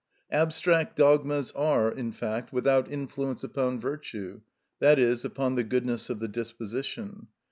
_ Abstract dogmas are, in fact, without influence upon virtue, i.e., upon the goodness of the disposition.